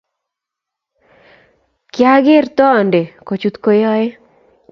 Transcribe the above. kiageer toonde kochut koyoe